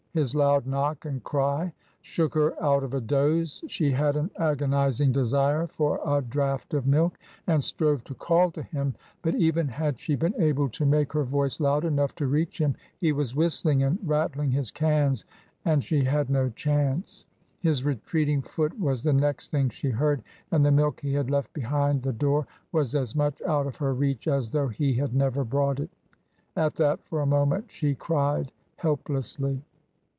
His loud knock and cry shook her out of a doze. She had an agonizing desire for a draught of milk, and strove to call to him; but even had she been able to make her voice loud enough to reach him, he was whistling and rattling his cans, and she had ito chance. His retreating foot was the next thing she heard, and the milk he had left behind the door was as much out of her reach as though he had never brought it At that, for a moment, she cried helplessly.